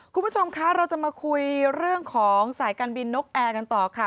คุณผู้ชมคะเราจะมาคุยเรื่องของสายการบินนกแอร์กันต่อค่ะ